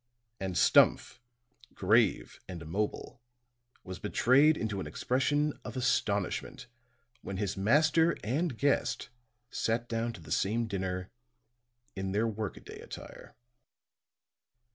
And Stumph, grave and immobile, was betrayed into an expression of astonishment when his master and guest sat down to the same dinner in their work a day attire.